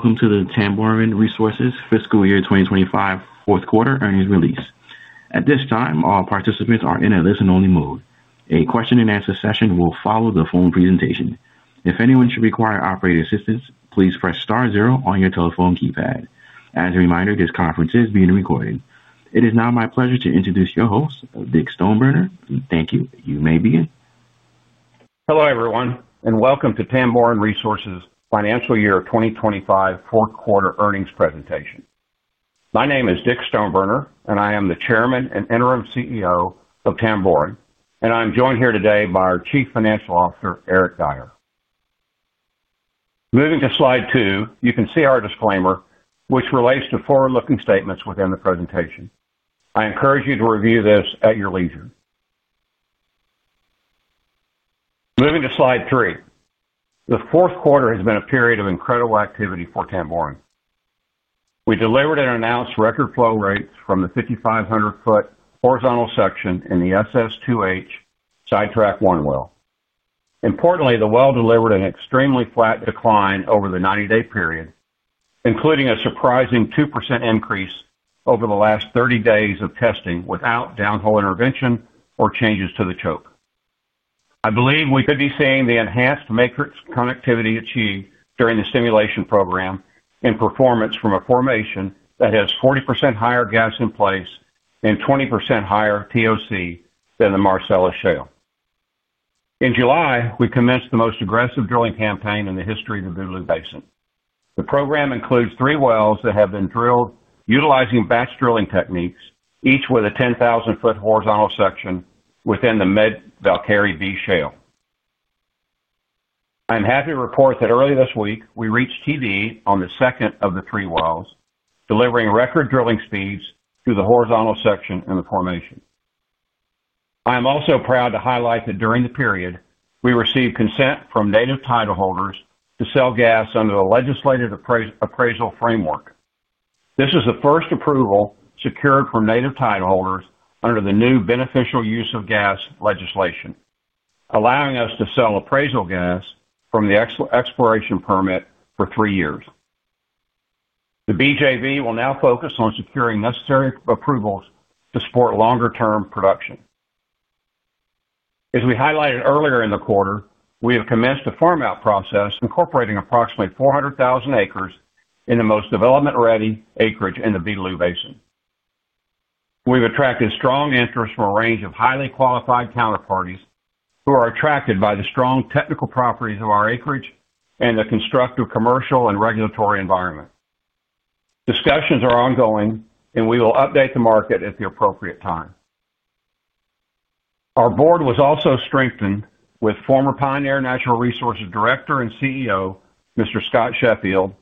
Greetings and welcome to the Tamboran Resources Fiscal Year 2025 Fourth Quarter Earnings Release. At this time, all participants are in a listen-only mode. A question and answer session will follow the phone presentation. If anyone should require operating assistance, please press *0 on your telephone keypad. As a reminder, this conference is being recorded. It is now my pleasure to introduce your host, Dick Stoneburner. Thank you. You may begin. Hello everyone, and welcome to Tamboran Resources Corporation's Financial Year 2025 Fourth Quarter Earnings Presentation. My name is Dick Stoneburner, and I am the Chairman and Interim CEO of Tamboran Resources Corporation, and I am joined here today by our Chief Financial Officer, Eric Dyer. Moving to slide two, you can see our disclaimer, which relates to forward-looking statements within the presentation. I encourage you to review this at your leisure. Moving to slide three, the fourth quarter has been a period of incredible activity for Tamboran Resources Corporation. We delivered and announced record flow rates from the 5,500-foot horizontal section in the SS2H ST1 well. Importantly, the well delivered an extremely flat decline over the 90-day period, including a surprising 2% increase over the last 30 days of testing without downhole intervention or changes to the choke. I believe we could be seeing the enhanced matrix connectivity achieved during the stimulation program and performance from a formation that has 40% higher gas in place and 20% higher TOC than the Marcellus Shale. In July, we commenced the most aggressive drilling campaign in the history of the Beetaloo Basin. The program includes three wells that have been drilled utilizing batch drilling techniques, each with a 10,000-foot horizontal section within the Mid-Velkerri B Shale. I'm happy to report that earlier this week, we reached total depth on the second of the three wells, delivering record drilling speeds through the horizontal section in the formation. I am also proud to highlight that during the period, we received consent from native title holders to sell gas under the legislative appraisal framework. This is the first approval secured from native title holders under the new beneficial use of gas legislation, allowing us to sell appraisal gas from the exploration permit for three years. The BJV will now focus on securing necessary approvals to support longer-term production. As we highlighted earlier in the quarter, we have commenced a farmout process incorporating approximately 400,000 acres in the most development-ready acreage in the Beetaloo Basin. We've attracted strong interest from a range of highly qualified counterparties who are attracted by the strong technical properties of our acreage and the constructive commercial and regulatory environment. Discussions are ongoing, and we will update the market at the appropriate time. Our board was also strengthened with former Pioneer Natural Resources Director and CEO, Mr. Scott Sheffield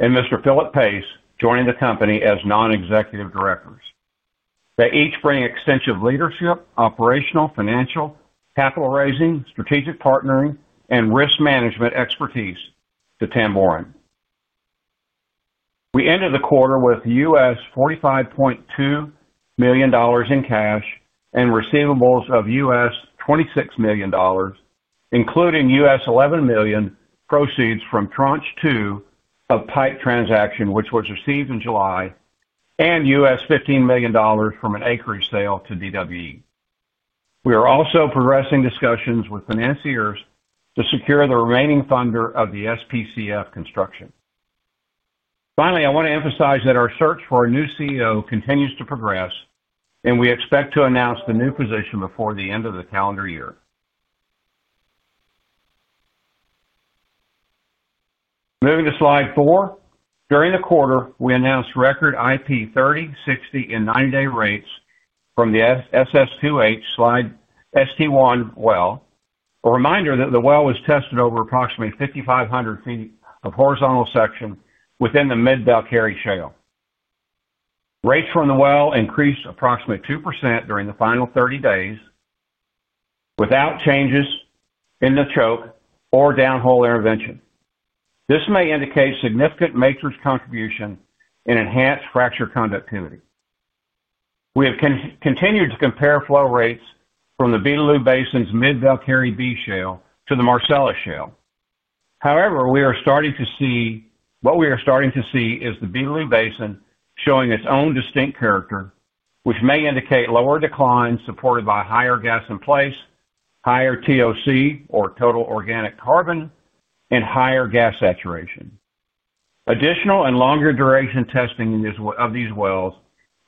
and Mr. Philip Pace joining the company as Non-Executive Directors. They each bring extensive leadership, operational, financial, capital raising, strategic partnering, and risk management expertise to Tamboran. We ended the quarter with US $45.2 million in cash and receivables of US $26 million, including US $11 million proceeds from Tranche 2 of PIPE transaction, which was received in July, and US $15 million from an acreage sale to Daly Waters Energy. We are also progressing discussions with financiers to secure the remaining funder of the SPCF construction. Finally, I want to emphasize that our search for a new CEO continues to progress, and we expect to announce the new position before the end of the calendar year. Moving to slide four, during the quarter, we announced record IP 30, 60, and 90-day rates from the SS2H ST1 well. A reminder that the well was tested over approximately 5,500 feet of horizontal section within the Mid-Velkerri B Shale. Rates from the well increased approximately 2% during the final 30 days without changes in the choke or downhole intervention. This may indicate significant matrix contribution and enhanced fracture conductivity. We have continued to compare flow rates from the Beetaloo Basin's Mid-Velkerri B Shale to the Marcellus Shale. However, what we are starting to see is the Beetaloo Basin showing its own distinct character, which may indicate lower decline supported by higher gas in place, higher TOC or total organic carbon, and higher gas saturation. Additional and longer duration testing of these wells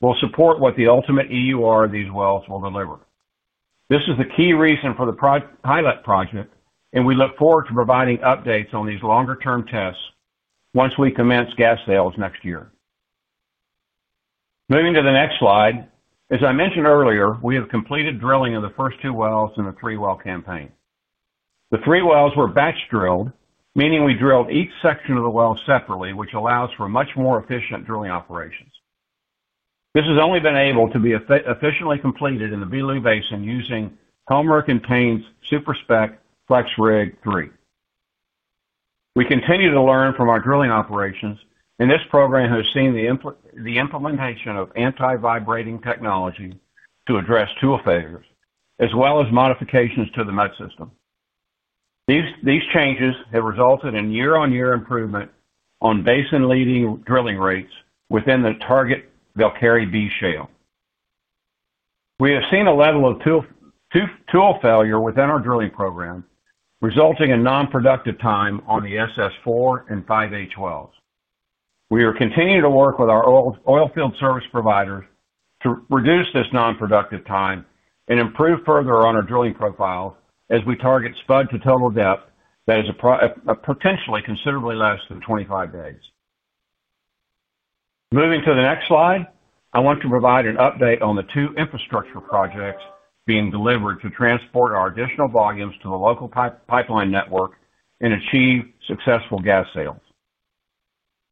will support what the ultimate EUR of these wells will deliver. This is the key reason for the pilot project, and we look forward to providing updates on these longer-term tests once we commence gas sales next year. Moving to the next slide, as I mentioned earlier, we have completed drilling of the first two wells in the three-well campaign. The three wells were batch drilled, meaning we drilled each section of the well separately, which allows for much more efficient drilling operations. This has only been able to be efficiently completed in the Beetaloo Basin using Helmerich & Payne's SuperSpec FlexRig 3. We continue to learn from our drilling operations, and this program has seen the implementation of anti-vibrating technology to address tool failures, as well as modifications to the nut system. These changes have resulted in year-on-year improvement on basin-leading drilling rates within the target Mid-Velkerri B Shale. We have seen a level of tool failure within our drilling program, resulting in non-productive time on the SS4 and SS5H wells. We are continuing to work with our oil field service providers to reduce this non-productive time and improve further on our drilling profiles as we target spud to total depth that is potentially considerably less than 25 days. Moving to the next slide, I want to provide an update on the two infrastructure projects being delivered to transport our additional volumes to the local pipeline network and achieve successful gas sales.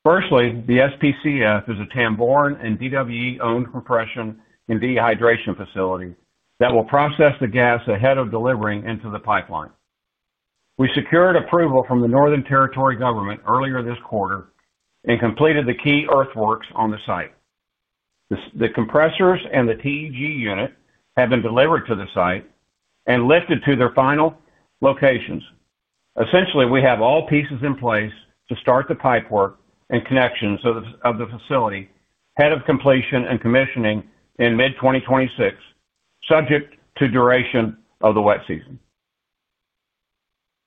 Firstly, the SPCF compression and dehydration facility is a Tamboran Resources Corporation and Daly Waters Energy-owned facility that will process the gas ahead of delivering into the pipeline. We secured approval from the Northern Territory Government earlier this quarter and completed the key earthworks on the site. The compressors and the TEG unit have been delivered to the site and lifted to their final locations. Essentially, we have all pieces in place to start the pipework and connections of the facility ahead of completion and commissioning in mid-2026, subject to duration of the wet season.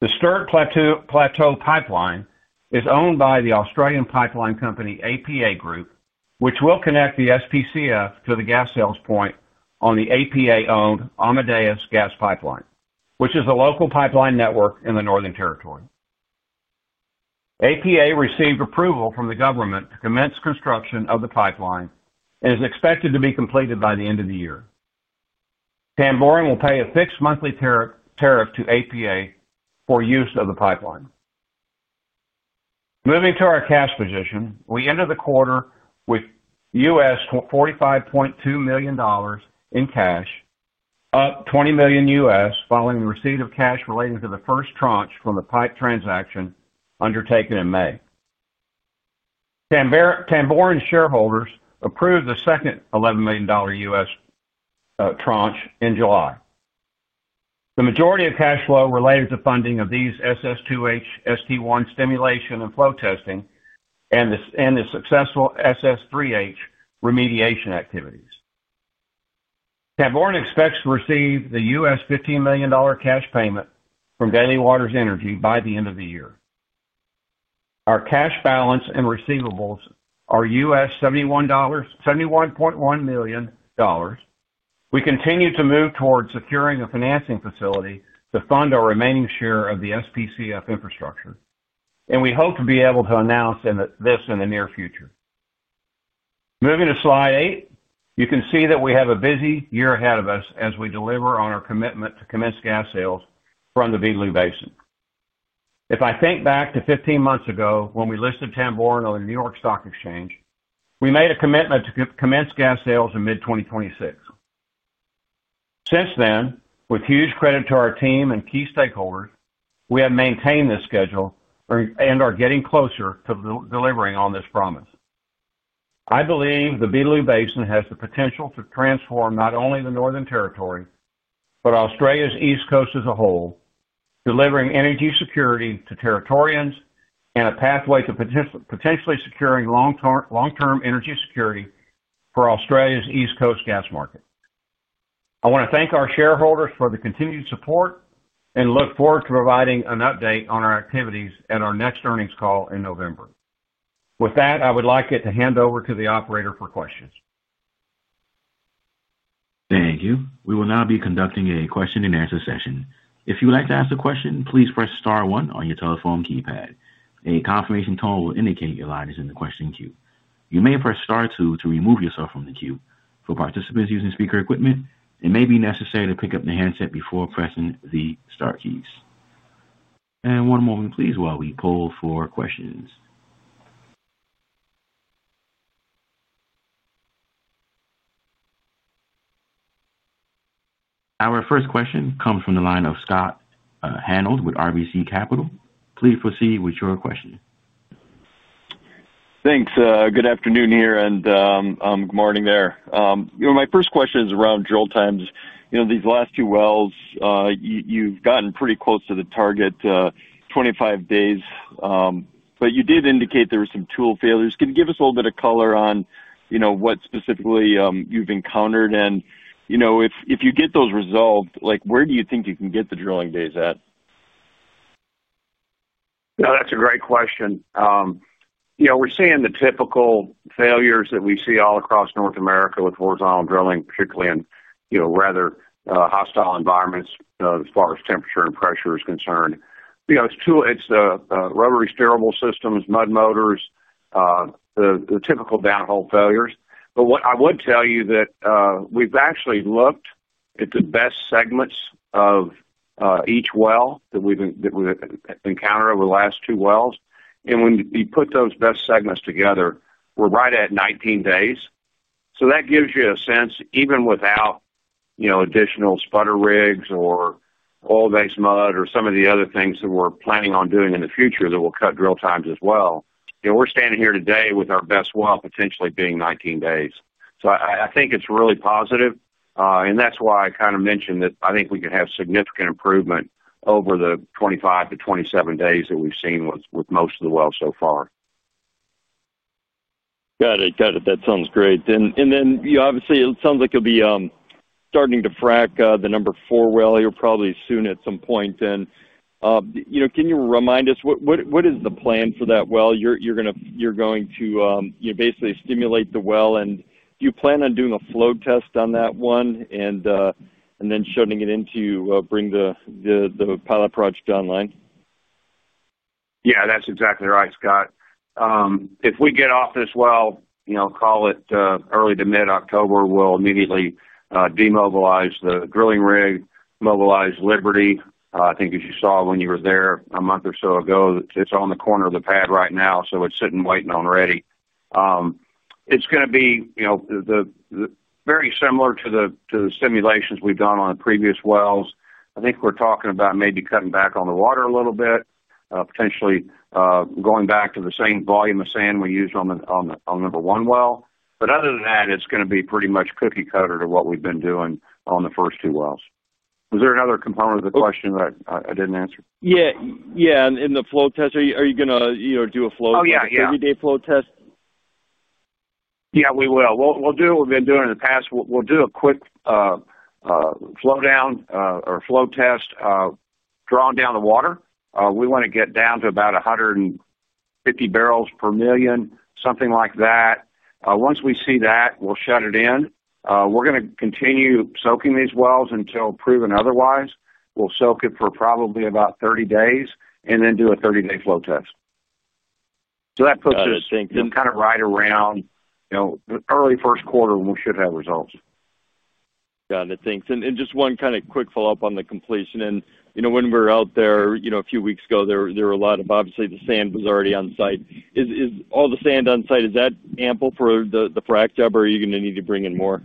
The Stuart Plateau Pipeline is owned by the Australian pipeline company APA Group, which will connect the SPCF to the gas sales point on the APA Group-owned Amadeus Gas Pipeline, which is the local pipeline network in the Northern Territory. APA Group received approval from the government to commence construction of the pipeline and it is expected to be completed by the end of the year. Tamboran Resources Corporation will pay a fixed monthly tariff to APA Group for use of the pipeline. Moving to our cash position, we entered the quarter with $45.2 million in cash, up $20 million following the receipt of cash related to the first tranche from the PIPE transaction undertaken in May. Tamboran Resources Corporation shareholders approved the second $11 million tranche in July. The majority of cash flow related to funding of these SS2H ST1 stimulation and flow testing and the successful SS3H remediation activities. Tamboran Resources Corporation expects to receive the $15 million cash payment from Daly Waters Energy by the end of the year. Our cash balance and receivables are $71.1 million. We continue to move towards securing a financing facility to fund our remaining share of the SPCF infrastructure, and we hope to be able to announce this in the near future. Moving to slide eight, you can see that we have a busy year ahead of us as we deliver on our commitment to commence gas sales from the Beetaloo Basin. If I think back to 15 months ago when we listed Tamboran Resources Corporation on the New York Stock Exchange, we made a commitment to commence gas sales in mid-2026. Since then, with huge credit to our team and key stakeholders, we have maintained this schedule and are getting closer to delivering on this promise. I believe the Beetaloo Basin has the potential to transform not only the Northern Territory, but Australia's East Coast as a whole, delivering energy security to Territorians and a pathway to potentially securing long-term energy security for Australia's East Coast gas market. I want to thank our shareholders for the continued support and look forward to providing an update on our activities at our next earnings call in November. With that, I would like to hand over to the operator for questions. Thank you. We will now be conducting a question and answer session. If you would like to ask a question, please press *1 on your telephone keypad. A confirmation tone will indicate your line is in the question queue. You may press *2 to remove yourself from the queue. For participants using speaker equipment, it may be necessary to pick up the handset before pressing the * keys. One moment, please, while we poll for questions. Our first question comes from the line of Scott Handled with RBC Capital Markets. Please proceed with your question. Thanks. Good afternoon here and good morning there. My first question is around drill times. These last two wells, you've gotten pretty close to the target 25 days, but you did indicate there were some tool failures. Can you give us a little bit of color on what specifically you've encountered? If you get those resolved, where do you think you can get the drilling days at? That's a great question. We're seeing the typical failures that we see all across North America with horizontal drilling, particularly in rather hostile environments as far as temperature and pressure is concerned. It's tool, it's the rubbery steerable systems, mud motors, the typical downhole failures. What I would tell you is that we've actually looked at the best segments of each well that we've encountered over the last two wells. When you put those best segments together, we're right at 19 days. That gives you a sense, even without additional spudder rigs or oil-based mud or some of the other things that we're planning on doing in the future that will cut drill times as well. We're standing here today with our best well potentially being 19 days. I think it's really positive. That's why I kind of mentioned that I think we could have significant improvement over the 25 to 27 days that we've seen with most of the wells so far. Got it. That sounds great. Obviously, it sounds like you'll be starting to frack the number four well here probably soon at some point. Can you remind us what is the plan for that well? You're going to basically stimulate the well. Do you plan on doing a flow test on that one and then shutting it in to bring the pilot project online? Yeah, that's exactly right, Scott. If we get off this well, you know, call it early to mid-October, we'll immediately demobilize the drilling rig, mobilize Liberty. I think, as you saw when you were there a month or so ago, it's on the corner of the pad right now. It's sitting waiting on ready. It's going to be, you know, very similar to the simulations we've done on previous wells. I think we're talking about maybe cutting back on the water a little bit, potentially going back to the same volume of sand we used on the number one well. Other than that, it's going to be pretty much cookie cutter to what we've been doing on the first two wells. Was there another component of the question that I didn't answer? Yeah. In the flow test, are you going to, you know, do a flow test, an everyday flow test? Yeah, we will. We'll do what we've been doing in the past. We'll do a quick flow down or flow test, drawing down the water. We want to get down to about 150 barrels per million, something like that. Once we see that, we'll shut it in. We're going to continue soaking these wells until proven otherwise. We'll soak it for probably about 30 days and then do a 30-day flow test. That puts us kind of right around, you know, early first quarter, and we should have results. Got it. Thanks. Just one kind of quick follow-up on the completion. When we were out there a few weeks ago, obviously, the sand was already on site. Is all the sand on site, is that ample for the frac job, or are you going to need to bring in more?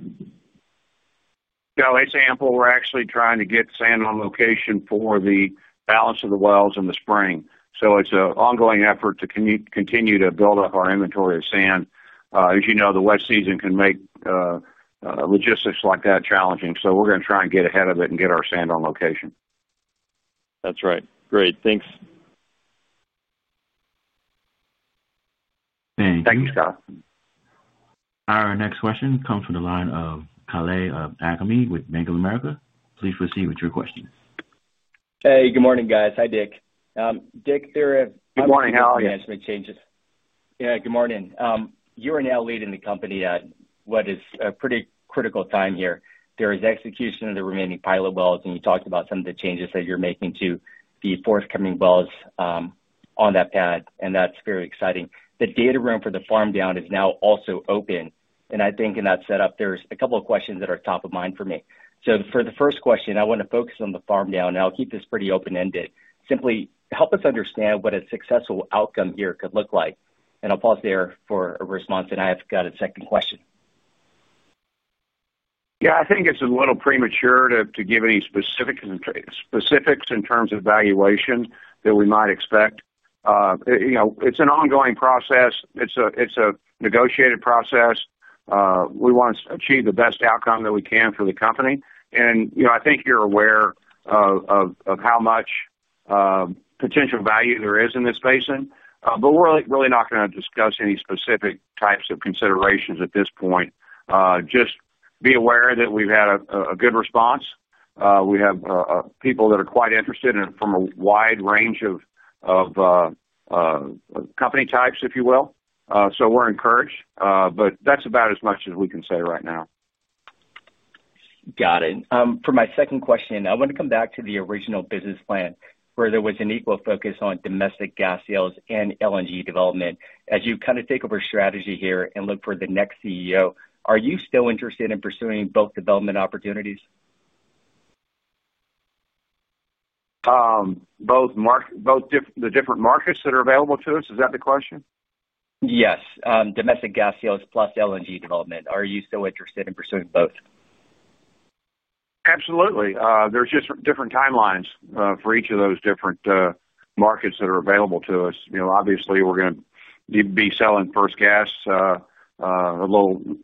No, it's ample. We're actually trying to get sand on location for the balance of the wells in the spring. It's an ongoing effort to continue to build up our inventory of sand. As you know, the wet season can make logistics like that challenging. We're going to try and get ahead of it and get our sand on location. That's right. Great, thanks. Thank you. Thank you, Scott. All right. Our next question comes from the line of Khaled Agami with Bank of America. Please proceed with your questions. Hey, good morning, guys. Hi, Dick. Dick, there. Good morning. How are you? I'm going to have to make changes. Good morning. You're now leading the company at what is a pretty critical time here. There is execution of the remaining pilot wells, and you talked about some of the changes that you're making to the forthcoming wells on that path, and that's very exciting. The data room for the farmout is now also open. I think in that setup, there's a couple of questions that are top of mind for me. For the first question, I want to focus on the farmout, and I'll keep this pretty open-ended. Simply, help us understand what a successful outcome here could look like. I'll pause there for a response, and I have got a second question. Yeah, I think it's a little premature to give any specifics in terms of valuation that we might expect. It's an ongoing process. It's a negotiated process. We want to achieve the best outcome that we can for the company. I think you're aware of how much potential value there is in this basin. We're really not going to discuss any specific types of considerations at this point. Just be aware that we've had a good response. We have people that are quite interested in it from a wide range of company types, if you will. We're encouraged. That's about as much as we can say right now. Got it. For my second question, I want to come back to the original business plan where there was an equal focus on domestic gas sales and LNG development. As you kind of take over strategy here and look for the next CEO, are you still interested in pursuing both development opportunities? Both the different markets that are available to us, is that the question? Yes. Domestic gas sales plus LNG development. Are you still interested in pursuing both? Absolutely. There are just different timelines for each of those different markets that are available to us. Obviously, we're going to be selling first gas sometime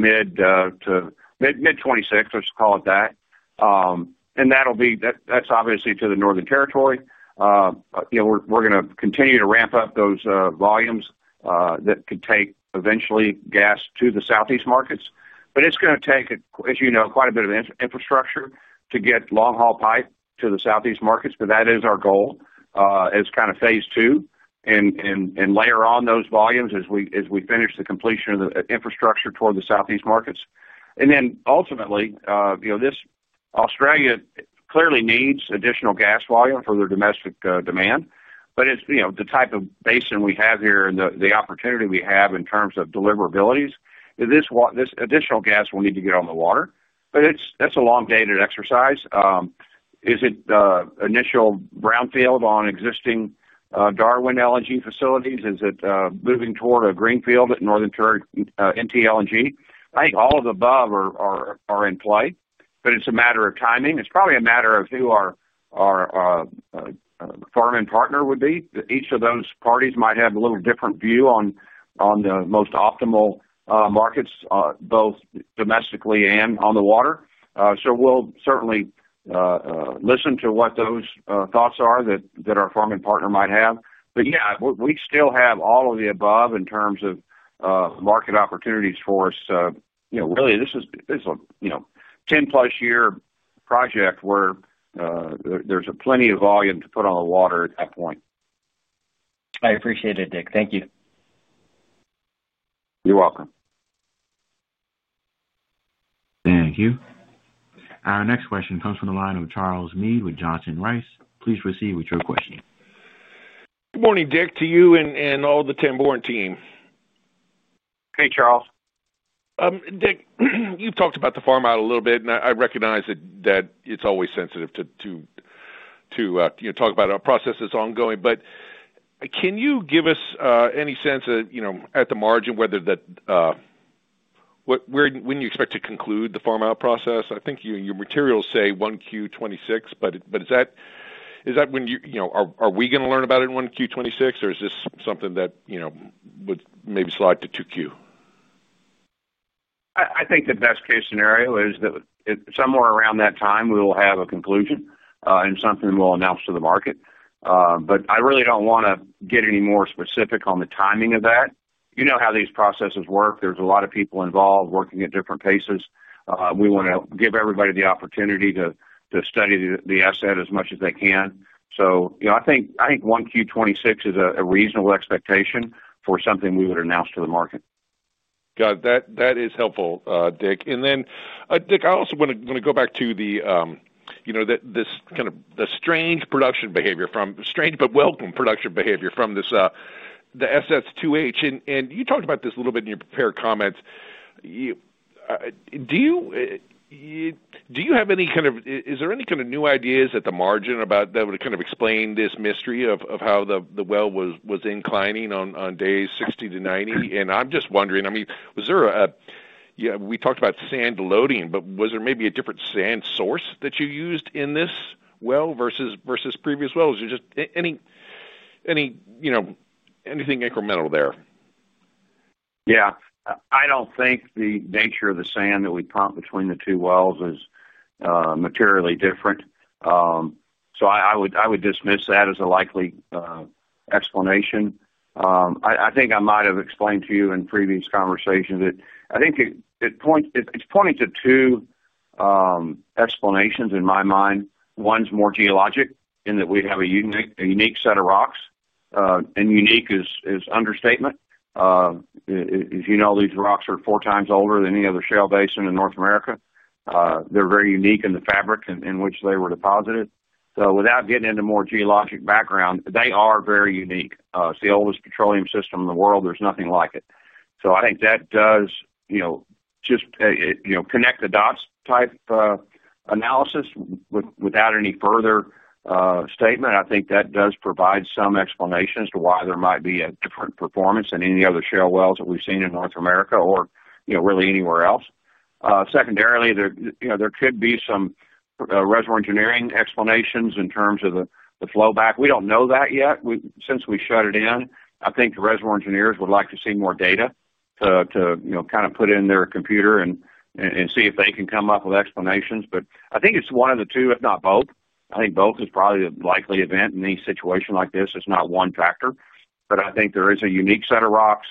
mid-2026, let's call it that. That will be to the Northern Territory. We're going to continue to ramp up those volumes that could eventually take gas to the Southeast markets. It's going to take quite a bit of infrastructure to get long-haul pipe to the Southeast markets, but that is our goal as kind of phase two. We will layer on those volumes as we finish the completion of the infrastructure toward the Southeast markets. Ultimately, Australia clearly needs additional gas volume for the domestic demand. The type of basin we have here and the opportunity we have in terms of deliverabilities means this additional gas will need to get on the water. That is a long-dated exercise. Is it the initial brownfield on existing Darwin LNG facilities? Is it moving toward a greenfield at Northern NT LNG? I think all of the above are in play, but it's a matter of timing. It's probably a matter of who our farming partner would be. Each of those parties might have a little different view on the most optimal markets, both domestically and on the water. We will certainly listen to what those thoughts are that our farming partner might have. We still have all of the above in terms of market opportunities for us. Really, this is a 10-plus year project where there's plenty of volume to put on the water at that point. I appreciate it, Dick. Thank you. You're welcome. Thank you. Our next question comes from the line of Charles Mead with Johnson Rice. Please proceed with your question. Good morning, Dick, to you and all the Tamboran team. Hey, Charles. Dick, you've talked about the farmout a little bit, and I recognize that it's always sensitive to talk about a process that's ongoing. Can you give us any sense of, you know, at the margin, whether that when you expect to conclude the farmout process? I think your materials say 1Q 2026, but is that when you, you know, are we going to learn about it in 1Q 2026, or is this something that would maybe slide to 2Q? I think the best case scenario is that somewhere around that time, we will have a conclusion and something we'll announce to the market. I really don't want to get any more specific on the timing of that. You know how these processes work. There are a lot of people involved working at different paces. We want to give everybody the opportunity to study the asset as much as they can. I think 1Q 2026 is a reasonable expectation for something we would announce to the market. Got it. That is helpful, Dick. Dick, I also want to go back to this kind of strange but welcome production behavior from the SS2H. You talked about this a little bit in your prepared comments. Do you have any kind of new ideas at the margin that would explain this mystery of how the well was inclining on days 60 to 90? I'm just wondering, I mean, we talked about sand loading, but was there maybe a different sand source that you used in this well versus previous wells? Is there just anything incremental there? Yeah. I don't think the nature of the sand that we pump between the two wells is materially different. I would dismiss that as a likely explanation. I think I might have explained to you in previous conversations that I think it's pointing to two explanations in my mind. One's more geologic in that we'd have a unique set of rocks. Unique is an understatement. As you know, these rocks are four times older than any other shale basin in North America. They're very unique in the fabric in which they were deposited. Without getting into more geologic background, they are very unique. It's the oldest petroleum system in the world. There's nothing like it. I think that does, you know, just connect the dots type analysis without any further statement. I think that does provide some explanations to why there might be a different performance than any of the other shale wells that we've seen in North America or really anywhere else. Secondarily, there could be some reservoir engineering explanations in terms of the flow back. We don't know that yet. Since we shut it in, I think the reservoir engineers would like to see more data to put in their computer and see if they can come up with explanations. I think it's one of the two, if not both. I think both is probably a likely event in any situation like this. It's not one factor. I think there is a unique set of rocks.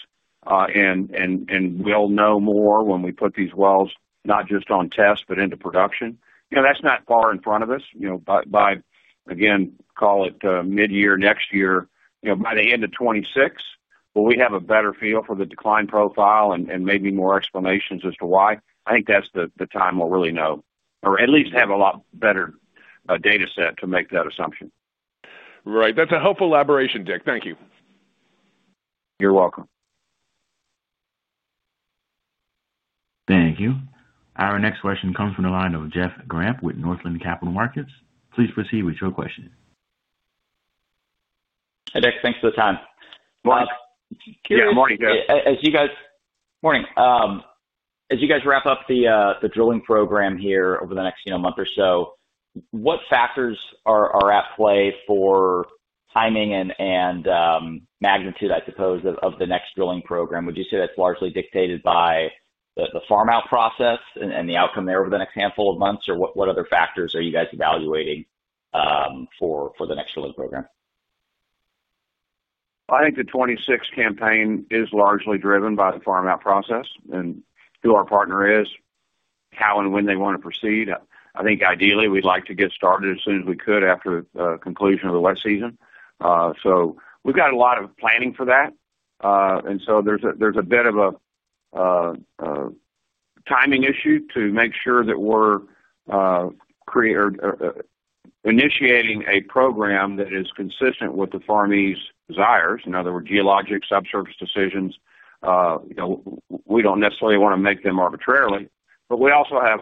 We'll know more when we put these wells, not just on test, but into production. That's not far in front of us. By, again, call it mid-year, next year, by the end of 2026, when we have a better feel for the decline profile and maybe more explanations as to why. I think that's the time we'll really know, or at least have a lot better data set to make that assumption. Right. That's a helpful elaboration, Dick. Thank you. You're welcome. Thank you. Our next question comes from the line of Jeff Grampp with Northland Capital Markets. Please proceed with your question. Hey, Dick. Thanks for the time. As you guys wrap up the drilling program here over the next, you know, month or so, what factors are at play for timing and magnitude, I suppose, of the next drilling program? Would you say that's largely dictated by the farmout process and the outcome there over the next handful of months, or what other factors are you guys evaluating for the next drilling program? I think the 2026 campaign is largely driven by the farmout process and who our partner is, how and when they want to proceed. I think ideally, we'd like to get started as soon as we could after the conclusion of the wet season. We've got a lot of planning for that. There's a bit of a timing issue to make sure that we're initiating a program that is consistent with the farmout partner's desires. In other words, geologic subsurface decisions. We don't necessarily want to make them arbitrarily, but we also have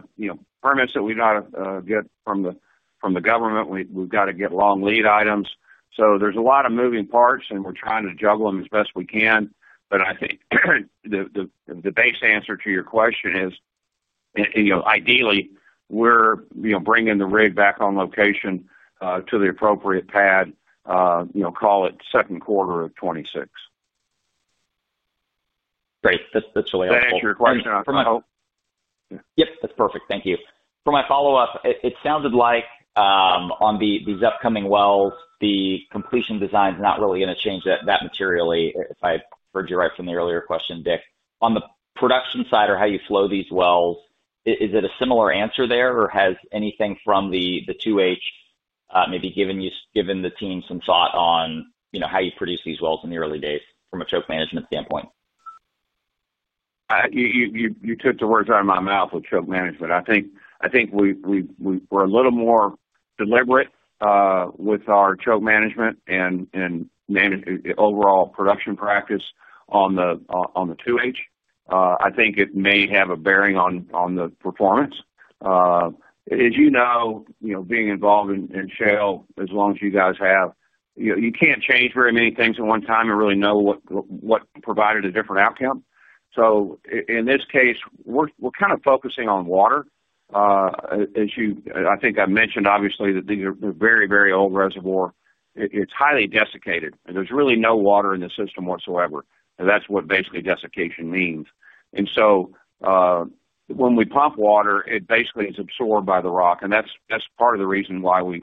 permits that we've got to get from the government. We've got to get long lead items. There are a lot of moving parts, and we're trying to juggle them as best we can. I think the base answer to your question is, ideally, we're bringing the rig back on location to the appropriate pad, call it second quarter of 2026. Great. That's really helpful. Does that answer your question? Yep, that's perfect. Thank you. For my follow-up, it sounded like, on these upcoming wells, the completion design is not really going to change that materially, if I heard you right from the earlier question, Dick. On the production side or how you flow these wells, is it a similar answer there, or has anything from the 2H maybe given you, given the team some thought on, you know, how you produce these wells in the early days from a choke management standpoint? You took the words out of my mouth with choke management. I think we were a little more deliberate with our choke management and overall production practice on the 2H. I think it may have a bearing on the performance. As you know, being involved in shale as long as you guys have, you can't change very many things at one time and really know what provided a different outcome. In this case, we're kind of focusing on water. As I mentioned, obviously, these are very, very old reservoirs. It's highly desiccated, and there's really no water in the system whatsoever. That's what basically desiccation means. When we pump water, it basically is absorbed by the rock. That's part of the reason why we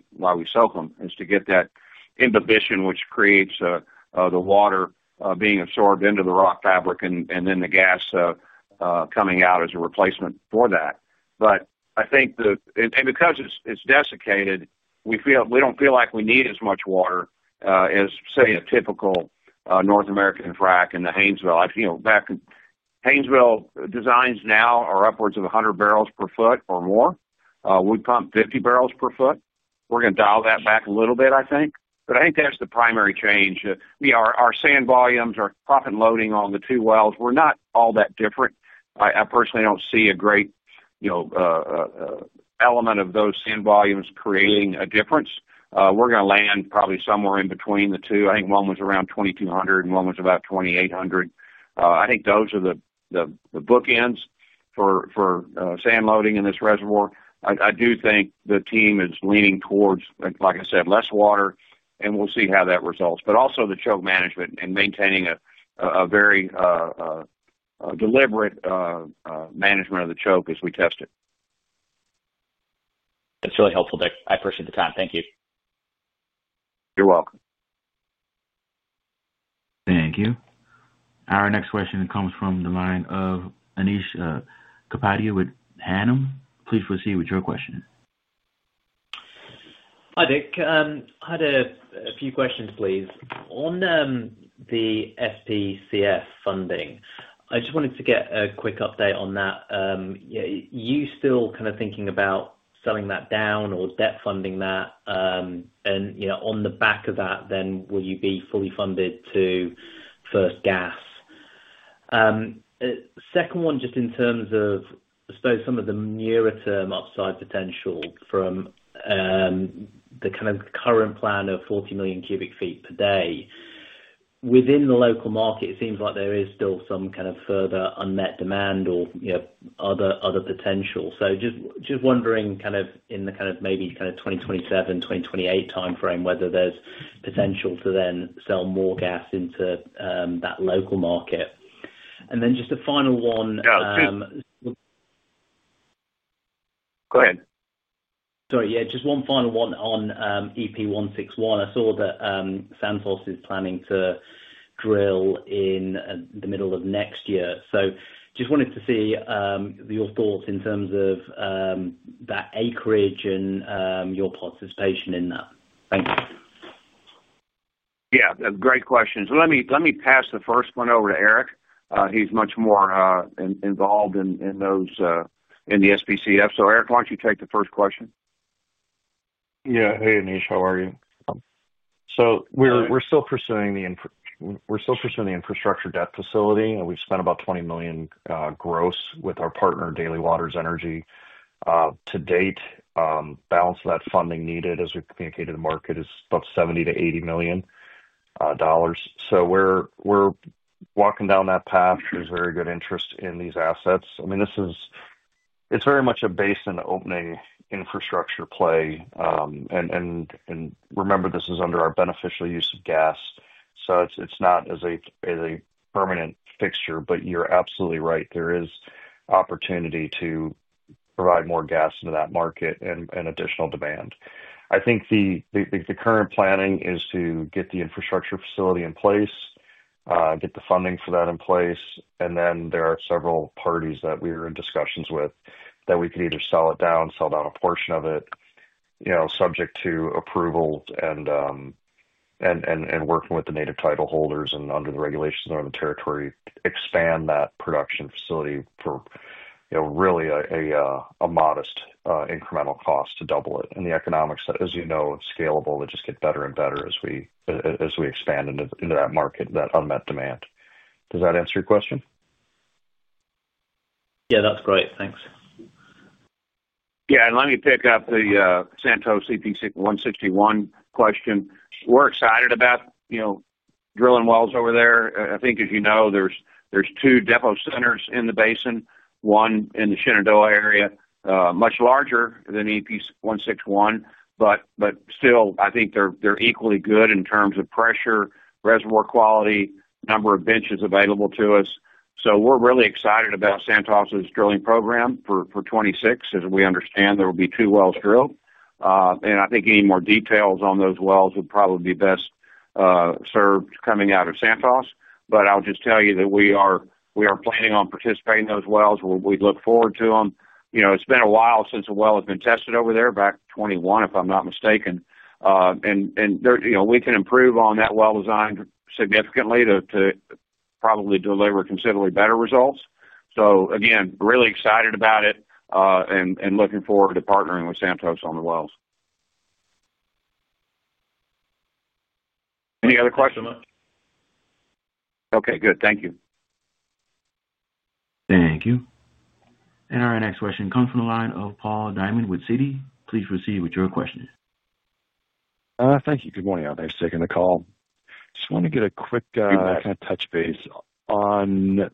soak them, to get that imbibition, which creates the water being absorbed into the rock fabric and then the gas coming out as a replacement for that. Because it's desiccated, we don't feel like we need as much water as, say, a typical North American frac in the Haynesville. I think Haynesville designs now are upwards of 100 barrels per foot or more. We pump 50 barrels per foot. We're going to dial that back a little bit, I think. I think that's the primary change. Our sand volumes are often loading on the two wells. We're not all that different. I personally don't see a great element of those sand volumes creating a difference. We're going to land probably somewhere in between the two. I think one was around 2,200 and one was about 2,800. I think those are the bookends for sand loading in this reservoir. I do think the team is leaning towards, like I said, less water, and we'll see how that results. Also, the choke management and maintaining a very deliberate management of the choke as we test it. That's really helpful, Dick. I appreciate the time. Thank you. You're welcome. Thank you. Our next question comes from the line of Anish Kapadia with Hannam. Please proceed with your question. Hi, Dick. I had a few questions, please. On the SPCF funding, I just wanted to get a quick update on that. You're still kind of thinking about selling that down or debt funding that. On the back of that, will you be fully funded to first gas? Second one, just in terms of, I suppose, some of the nearer-term upside potential from the current plan of 40 million cubic feet per day. Within the local market, it seems like there is still some further unmet demand or other potential. Just wondering in the maybe 2027, 2028 timeframe, whether there's potential to then sell more gas into that local market. Just a final one. Go ahead. Yeah, just one final one on EP161. I saw that Santos is planning to drill in the middle of next year. Just wanted to see your thoughts in terms of that acreage and your participation in that. Thanks. Great questions. Let me pass the first one over to Eric. He's much more involved in those in the SPCF. Eric, why don't you take the first question? Yeah. Hey, Anish. How are you? We're still pursuing the infrastructure debt facility, and we've spent about $20 million gross with our partner, Daly Waters Energy, to date. The balance of that funding needed, as we communicated to the market, is about $70 to $80 million. We're walking down that path. There's very good interest in these assets. I mean, this is very much a basin-opening infrastructure play. Remember, this is under our beneficial use of gas. It's not as a permanent fixture, but you're absolutely right. There is opportunity to provide more gas into that market and additional demand. I think the current planning is to get the infrastructure facility in place, get the funding for that in place. There are several parties that we are in discussions with that we could either sell it down, sell down a portion of it, subject to approval and working with the native title holders and under the regulations that are in the territory, expand that production facility for really a modest incremental cost to double it. The economics, as you know, are scalable. They just get better and better as we expand into that market, that unmet demand. Does that answer your question? Yeah, that's great. Thanks. Yeah. Let me pick up the Santos EP161 question. We're excited about, you know, drilling wells over there. I think, as you know, there's two depot centers in the basin, one in the Shenandoah area, much larger than EP161. They're equally good in terms of pressure, reservoir quality, number of benches available to us. We're really excited about Santos's drilling program for 2026. As we understand, there will be two wells drilled. Any more details on those wells would probably be best served coming out of Santos. I'll just tell you that we are planning on participating in those wells. We look forward to them. It's been a while since a well has been tested over there, about 2021, if I'm not mistaken. We can improve on that well design significantly to probably deliver considerably better results. Again, really excited about it and looking forward to partnering with Santos on the wells. Any other questions? Okay. Good. Thank you. Thank you. Our next question comes from the line of Paul Diamond with Citi. Please proceed with your question. Thank you. Good morning. I'm here second to call. I just wanted to get a quick kind of touch base on,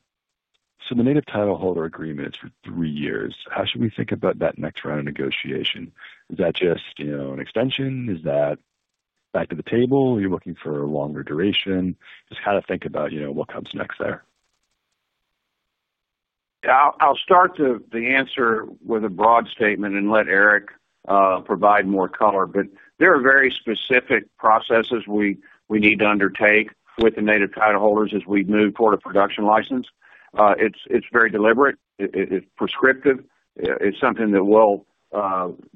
the native title holder agreement is for three years. How should we think about that next round of negotiation? Is that just an extension? Is that back to the table? Are you looking for a longer duration? Just kind of think about what comes next there. I'll start the answer with a broad statement and let Eric provide more color. There are very specific processes we need to undertake with the native title holders as we move toward a production license. It's very deliberate. It's prescriptive. It's something that will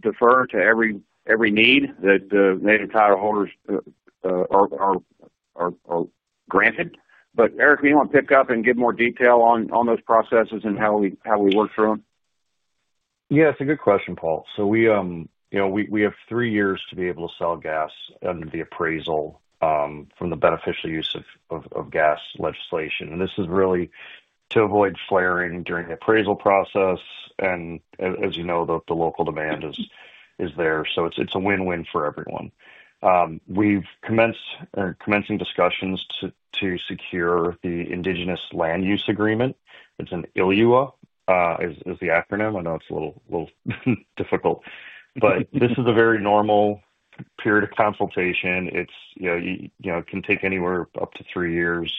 defer to every need that the native title holders are granted. Eric, do you want to pick up and give more detail on those processes and how we work through them? Yeah, it's a good question, Paul. We have three years to be able to sell gas and the appraisal from the beneficial use of gas legislation. This is really to avoid flaring during the appraisal process. As you know, the local demand is there, so it's a win-win for everyone. We've commenced or are commencing discussions to secure the Indigenous Land Use Agreement. It's an ILUA, is the acronym. I know it's a little difficult, but this is a very normal period of consultation. It can take anywhere up to three years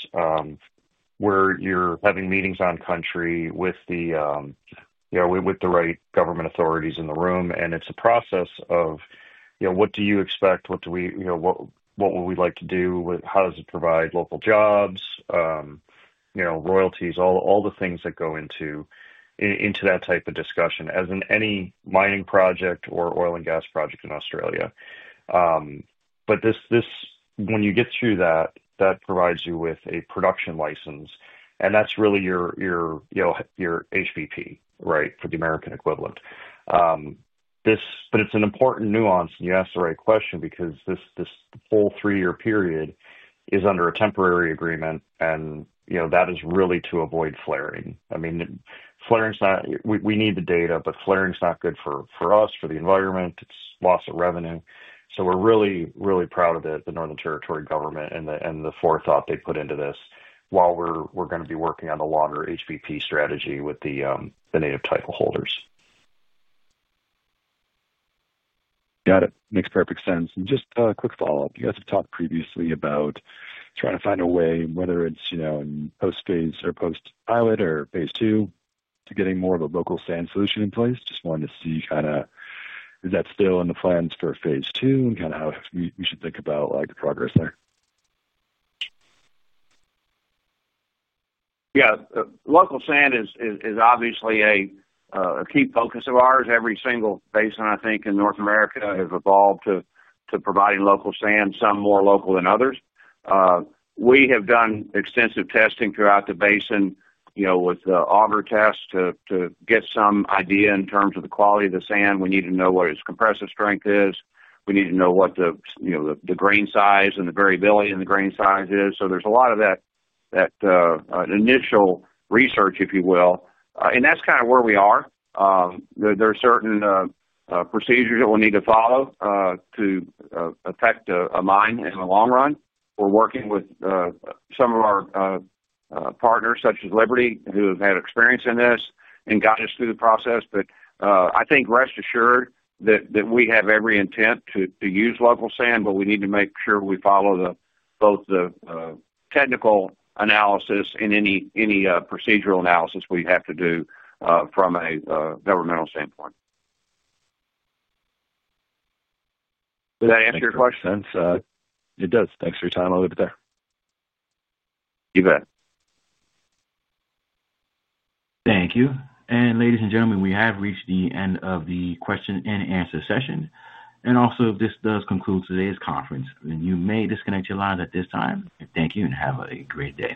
where you're having meetings on country with the right government authorities in the room. It's a process of what do you expect, what would we like to do, how does it provide local jobs, royalties, all the things that go into that type of discussion, as in any mining project or oil and gas project in Australia. When you get through that, that provides you with a production license. That's really your HVP, right, for the American equivalent. It's an important nuance, and you asked the right question because this whole three-year period is under a temporary agreement. That is really to avoid flaring. I mean, flaring is not, we need the data, but flaring is not good for us, for the environment. It's loss of revenue. We're really, really proud of the Northern Territory government and the forethought they put into this while we're going to be working on the longer HVP strategy with the native title holders. Got it. Makes perfect sense. Just a quick follow-up. You guys have talked previously about trying to find a way, whether it's, you know, in post-phase or post-pilot or Phase Two, to getting more of a local sand solution in place. Just wanted to see, is that still in the plans for Phase Two and how we should think about the progress there? Yeah. Local sand is obviously a key focus of ours. Every single basin, I think, in North America has evolved to provide local sand, some more local than others. We have done extensive testing throughout the basin with the auger test to get some idea in terms of the quality of the sand. We need to know what its compressive strength is. We need to know what the grain size and the variability in the grain size is. There is a lot of that initial research, if you will, and that's kind of where we are. There are certain procedures that we'll need to follow to affect a mine in the long run. We're working with some of our partners such as Liberty who have had experience in this and guide us through the process. I think rest assured that we have every intent to use local sand, but we need to make sure we follow both the technical analysis and any procedural analysis we have to do from a governmental standpoint. Does that answer your question? Makes sense. It does. Thanks for your time. I'll leave it there. You bet. Thank you. Ladies and gentlemen, we have reached the end of the question and answer session. This does conclude today's conference. You may disconnect your lines at this time. Thank you and have a great day.